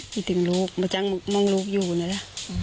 คิดถึงลูกไม่จังมองลูกอยู่เนี่ยล่ะ